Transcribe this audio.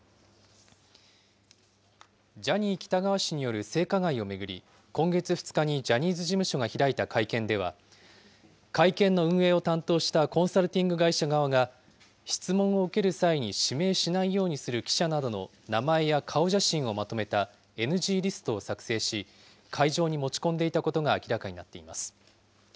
ジャニー喜多川氏による性加害を巡り、今月２日にジャニーズ事務所が開いた会見では、会見の運営を担当したコンサルティング会社側が、質問を受ける際に指名しないようにする記者などの名前や顔写真をまとめたＮＧリストを作成し、会場に持ち込んでいたことが明らかになっています。